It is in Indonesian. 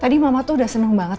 tadi mama tuh udah seneng banget